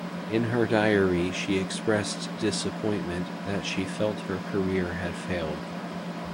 In her diary she expressed disappointment that she felt her career had failed.